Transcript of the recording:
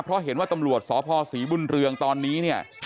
เพราะเห็นว่าตำรวจสพศรีบุญเรืองตอนนี้เนี่ย